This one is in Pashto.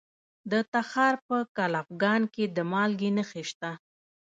د تخار په کلفګان کې د مالګې نښې شته.